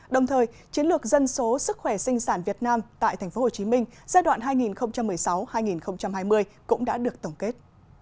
đồng thời chiến lược dân số sức khỏe sinh sản việt nam tại tp hcm giai đoạn hai nghìn một mươi sáu hai nghìn hai mươi cũng đã được tổng kết